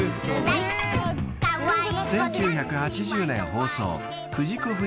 ［１９８０年放送藤子